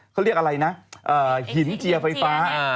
เขาเรียกอะไรนะหินเจียร์ไฟฟ้า